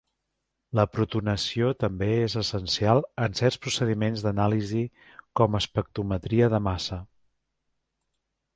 La protonació també és essencial en certs procediments d'anàlisi com espectrometria de massa.